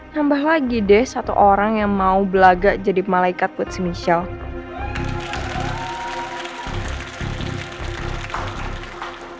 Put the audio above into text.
tambah lagi deh satu orang yang mau belaga jadi malaikat buat si michelle